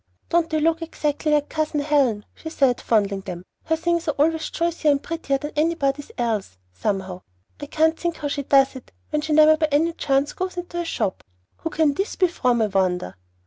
"Don't they look exactly like Cousin Helen?" she said, fondling them. "Her things always are choicer and prettier than anybody's else, somehow. I can't think how she does it, when she never by any chance goes into a shop. Who can this be from, I wonder?"